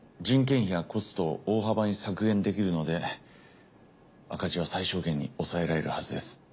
人件費やコストを大幅に削減できるので赤字は最小限に抑えられるはずです。